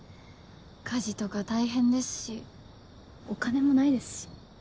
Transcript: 家事とか大変ですしお金もないですし。